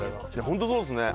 本当そうですね。